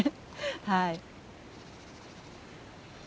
はい。